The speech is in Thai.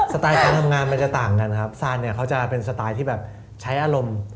ไตล์การทำงานมันจะต่างกันครับซานเนี่ยเขาจะเป็นสไตล์ที่แบบใช้อารมณ์